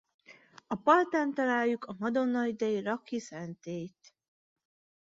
A partján találjuk a Madonna dei Laghi-szentélyt.